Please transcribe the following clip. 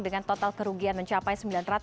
dengan total kerugian mencapai sembilan ratus